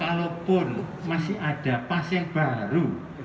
kalaupun masih ada pasien baru